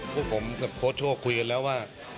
พวกผมกับโค้ชโชคคุยกันแล้วว่า